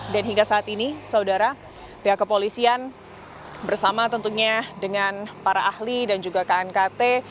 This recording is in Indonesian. dan hingga saat ini saudara pihak kepolisian bersama tentunya dengan para ahli dan juga knkt